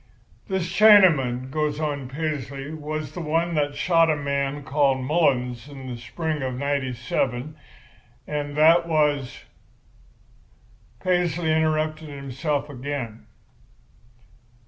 "'This Chinaman,' goes on Paisley, 'was the one that shot a man named Mullins in the spring of '97, and that was—' "Paisley interrupted himself again.